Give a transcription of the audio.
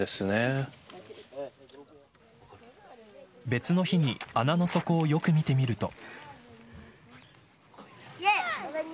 別の日に穴の底をよく見てみると。